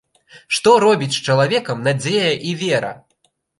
Што робіць з чалавекам надзея і вера!